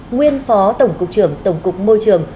nguyên phó tổng cục trưởng tổng cục môi trường